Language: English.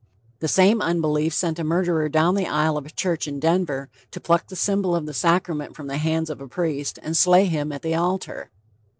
"The same unbelief sent a murderer down the isle of a church in Denver to pluck the symbol of the sacrament from the hands of a priest and slay him at the altar."